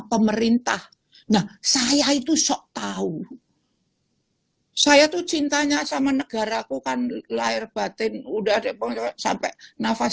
pemerintah nah saya itu sok tahu saya tuh cintanya sama negara kukan lahir batin udah sampai nafas